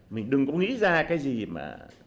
mình đừng có nghĩ ra cái gì mà